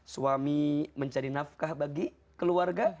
suami mencari nafkah bagi keluarga